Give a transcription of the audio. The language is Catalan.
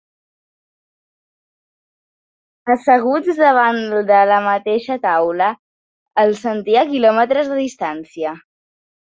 Asseguts davant de la mateixa taula, el sentia a quilòmetres de distància.